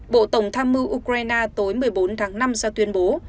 bộ tổng tham mưu ukraine tối một mươi bốn tháng năm ra tuyên bố